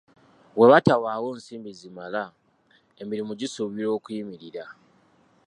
Bwe watabawo nsimbi zimala, emirimu gisuubirwa okuyimirira.